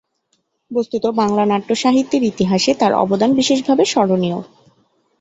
বস্তুত, বাংলা নাট্য-সাহিত্যের ইতিহাসে তার অবদান বিশেষভাবে স্মরণীয়।